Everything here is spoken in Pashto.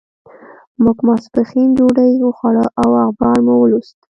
موږ ماسپښین ډوډۍ وخوړه او اخبار مو ولوست.